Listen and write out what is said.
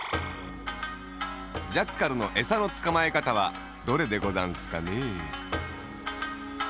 ジャッカルのえさのつかまえかたはどれでござんすかねえ。